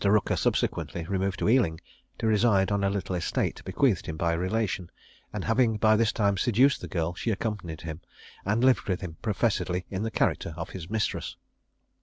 Rooker subsequently removed to Ealing, to reside on a little estate bequeathed him by a relation; and having by this time seduced the girl, she accompanied him, and lived with him professedly in the character of his mistress.